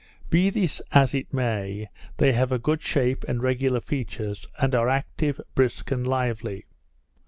Be this as it may, they have a good shape, and regular features, and are active, brisk, and lively.